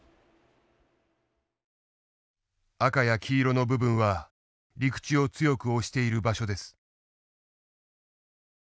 赤や黄色の部分は陸地を強く押している場所です。